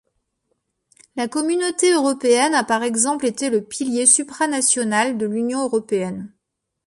La Communauté européenne a par exemple été le pilier supranational de l'Union européenne.